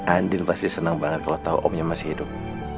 andil pasti senang banget kalau tau omnya masih hidup